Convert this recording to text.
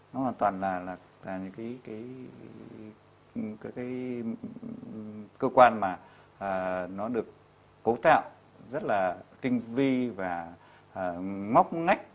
nó hoàn toàn là những cái cơ quan mà nó được cấu tạo rất là tinh vi và ngóc ngách